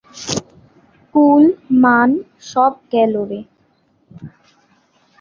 কুল-মান সব গেলো রে!